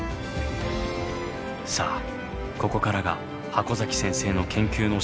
さあここからが箱先生の研究の真骨頂。